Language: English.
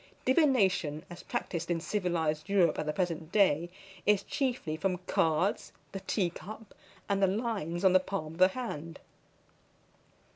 Divination, as practised in civilised Europe at the present day, is chiefly from cards, the tea cup, and the lines on the palm of the hand.